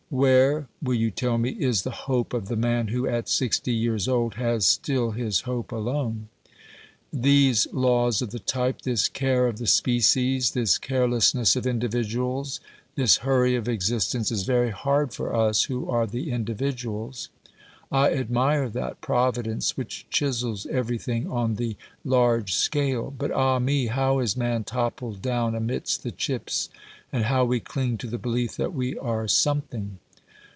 Where, will you tell me, is the hope of the man who at sixty years old has still his hope alone ? These laws of the type, this care of OBERMANN 177 the species, this carelessness of individuals, this hurry of existence is very hard for us who are the individuals. I admire that providence which chisels everything on the arge scale ; but, ah me, how is man toppled down amidst the chips, and how we cling to the belief that we are some thing